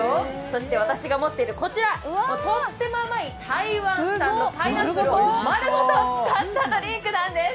そして私が持ってるこちら、とっても甘い台湾産のパイナップルを丸ごと使ったドリンクなんです。